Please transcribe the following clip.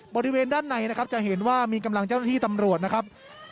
บริเวณด้านในนะครับจะเห็นว่ามีกำลังเจ้าหน้าที่ตำรวจนะครับ